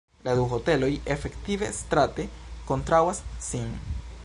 La du hoteloj efektive strate kontraŭas sin.